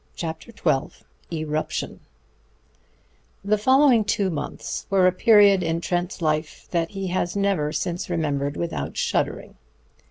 CHAPTER XII ERUPTION The following two months were a period in Trent's life that he has never since remembered without shuddering.